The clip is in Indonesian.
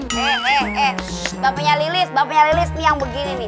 eh eh eh bapaknya lilis bapaknya lilis nih yang begini nih